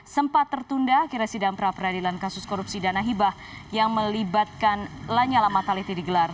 sempat tertunda akhirnya sidang praperadilan kasus korupsi danahibah yang melibatkan lanyala mataliti digelar